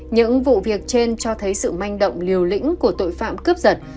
những vụ việc trên cho thấy sự manh động liều lĩnh của tội phạm cướp giật